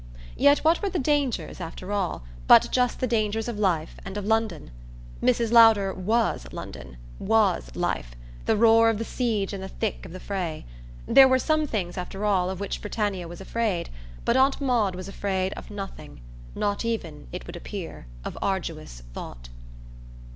Yet what were the dangers, after all, but just the dangers of life and of London? Mrs. Lowder WAS London, WAS life the roar of the siege and the thick of the fray. There were some things, after all, of which Britannia was afraid; but Aunt Maud was afraid of nothing not even, it would appear, of arduous thought.